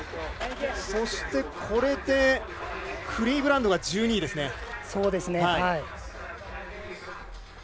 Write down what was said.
そして、これでクリーブランドが１２位ですね。